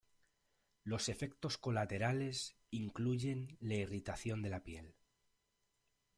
Los efectos colaterales incluyen la irritación de la piel.